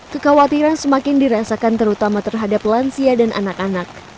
kekhawatiran semakin dirasakan terutama terhadap lansia dan anak anak